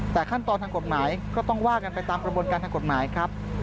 แต่ขั้นตอนทางกฎหมายก็ต้องว่ากันไปตามกระบวนการทางกฎหมายครับ